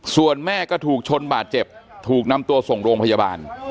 ส่วนแม่ก็ถูกชนบาดเจ็บถูกนำตัวส่งโรงพยาบาล